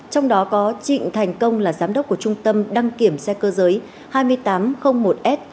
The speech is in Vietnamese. trong đó có trịnh thành công là giám đốc của trung tâm đăng kiểm xe cơ giới hai nghìn tám trăm linh một s